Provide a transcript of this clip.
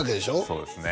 そうですね